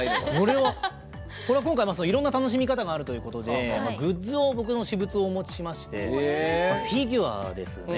これは今回いろんな楽しみ方があるということでグッズを僕の私物をお持ちしましてフィギュアですね。